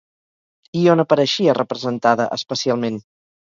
I on apareixia representada, especialment?